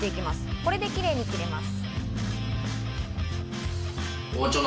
これでキレイに切れます。